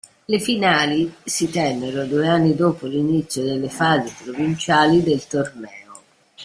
Le finali si tennero due anni dopo l'inizio delle fasi provinciali del torneo.